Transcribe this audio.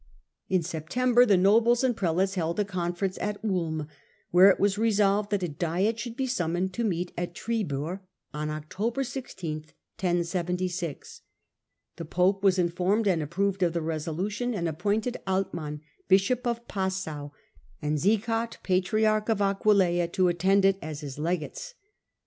In September the nobles and prelates held a confer ence at Ulm, where it was resolved that a diet should be summoned to meet at Tribur on October 16. The pope was informed and approved of the resolution, and appointed Altman,' bishop of Passau, and Sieghard, patriarch of Aquileia, to attend it as his legates.